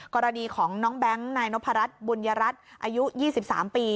กรณีของน้องแบงค์นายนพรัชบุญยรัฐอายุ๒๓ปี